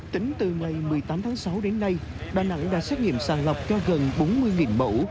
tính từ ngày một mươi tám tháng sáu đến nay đà nẵng đã xét nghiệm sàng lọc cho gần bốn mươi mẫu